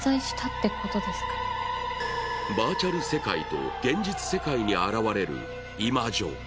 バーチャル世界と現実世界に現れるイマジョ。